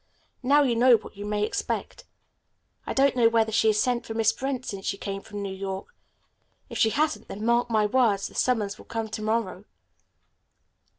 Now you know what you may expect. I don't know whether she has sent for Miss Brent since she came from New York. If she hasn't, then mark my words, the summons will come to morrow."